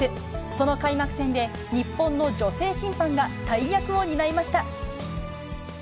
その開幕戦で、日本の女性審判が大役を担いました。